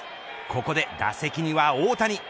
ここで打席には大谷。